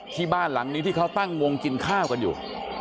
ที่บ้านหลังนี้ที่เขาตั้งวงกินข้าวกันอยู่